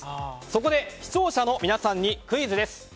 そこで、視聴者の皆さんにクイズ。